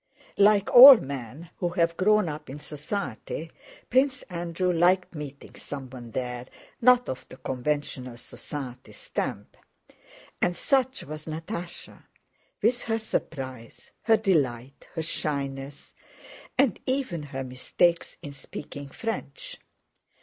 Like all men who have grown up in society, Prince Andrew liked meeting someone there not of the conventional society stamp. And such was Natásha, with her surprise, her delight, her shyness, and even her mistakes in speaking French.